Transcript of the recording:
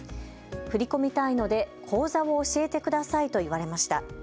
振り込みたいので口座を教えてくださいと言われました。